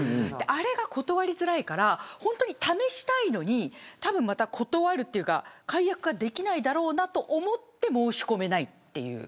あれが断りづらいから本当に試したいのに解約ができないだろうなと思って申し込めないっていう。